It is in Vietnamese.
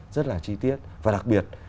rất là chi tiết và đặc biệt